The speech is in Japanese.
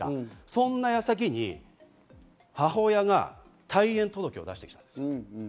そんな矢先に母親が対面届けを出していたんです。